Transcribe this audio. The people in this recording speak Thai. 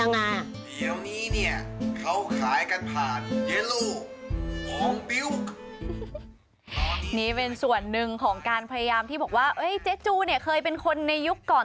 นี่เป็นส่วนหนึ่งของการพยายามที่บอกว่าเจ๊จูเนี่ยเคยเป็นคนในยุคก่อน